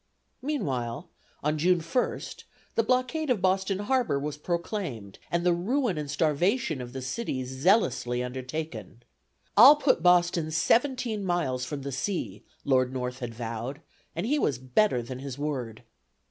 Meantime, on June 1st, the blockade of Boston Harbor was proclaimed, and the ruin and starvation of the city zealously undertaken. "I'll put Boston seventeen miles from the sea!" Lord North had vowed, and he was better than his word.